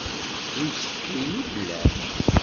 D imsetḥiyen i tellam?